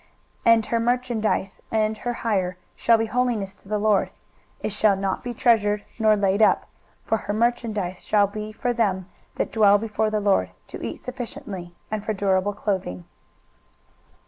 23:023:018 And her merchandise and her hire shall be holiness to the LORD: it shall not be treasured nor laid up; for her merchandise shall be for them that dwell before the LORD, to eat sufficiently, and for durable clothing.